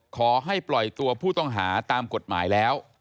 ขอให้ปล่อยตัวผู้ต้องหาตามกฎหมายแล้ว